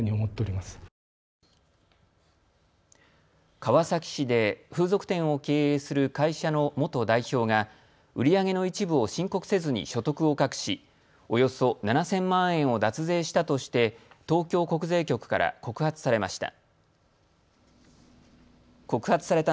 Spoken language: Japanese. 川崎市で風俗店を経営する会社の元代表が売り上げの一部を申告せずに所得を隠しおよそ７０００万円を脱税したとして東京国税局から告発されました。